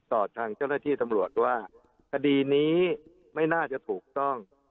ต่อทางเจ้าหน้าที่ตำรวจว่าคดีนี้ไม่น่าจะถูกต้อง